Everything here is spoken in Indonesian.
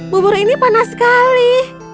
bubur ini panas sekali